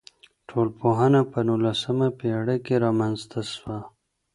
ټولنپوهنه په نولسمه پېړۍ کي رامنځته سوه.